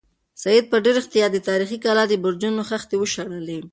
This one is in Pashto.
سعید په ډېر احتیاط د تاریخي کلا د برجونو خښتې وشمېرلې.